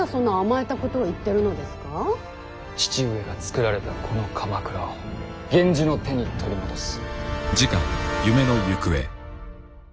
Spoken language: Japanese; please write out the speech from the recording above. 父上がつくられたこの鎌倉を源氏の手に取り戻す。